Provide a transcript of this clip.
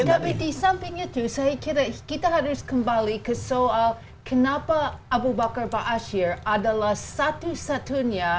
tapi di samping itu saya kira kita harus kembali ke soal kenapa abu bakar ⁇ baasyir adalah satu satunya